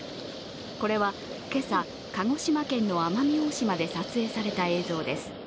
これは今朝、鹿児島県の奄美大島で撮影された映像です。